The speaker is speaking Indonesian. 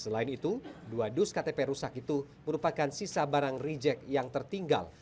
selain itu dua dus ktp rusak itu merupakan sisa barang reject yang tertinggal